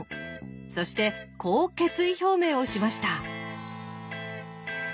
そしてこう決意表明をしました。